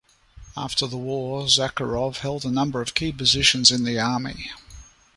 After the war, Zakharov held a number of key positions in the army.